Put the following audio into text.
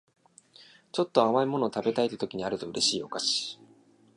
ちょっと甘い物食べたいって時にあると嬉しいお菓子